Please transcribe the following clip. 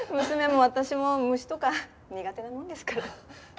娘も私も虫とか苦手なものですから。